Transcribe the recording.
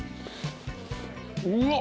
うわっ。